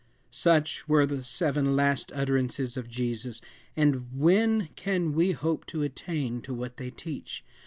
Such were the seven "last utterances" of Jesus and when can we hope to attain to what they teach?